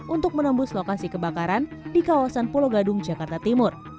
untuk menembus lokasi kebakaran di kawasan pulau gadung jakarta timur